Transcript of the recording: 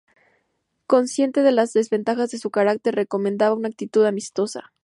Consciente de las desventajas de su carácter, recomendaba una actitud amistosa.